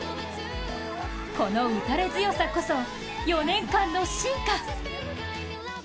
この打たれ強さこそ４年間の進化。